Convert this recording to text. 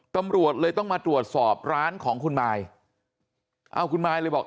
ตำรวจเลยต้องมาตรวจสอบร้านของคุณมายเอาคุณมายเลยบอก